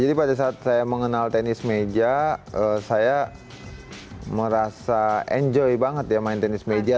jadi pada saat saya mengenal tenis meja saya merasa enjoy banget ya main tenis meja